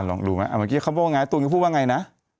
ลองดูไหมเมื่อกี้เขาพูดว่าไงตูนก็พูดว่าไงนะ